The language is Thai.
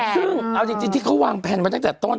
ซึ่งเอาจริงที่เขาวางแผนมาตั้งแต่ต้น